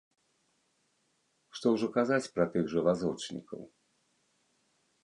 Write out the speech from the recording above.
Што ўжо казаць пра тых жа вазочнікаў?